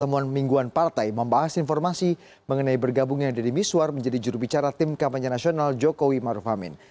temuan mingguan partai membahas informasi mengenai bergabungnya deddy miswar menjadi jurubicara tim kampanye nasional jokowi maruf amin